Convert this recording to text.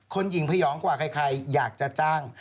หญิงพยองกว่าใครอยากจะจ้าง